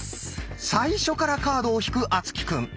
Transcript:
最初からカードを引く敦貴くん。